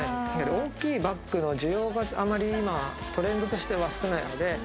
大きいバッグの需要が、あまり今トレンドとしては少ないので。